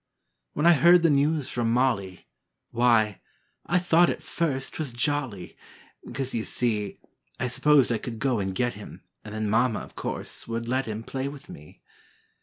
When I heard the news from Molly, Why, I thought at first 't was jolly, 'Cause, you see, I s'posed I could go and get him And then Mama, course, would let him Play with me.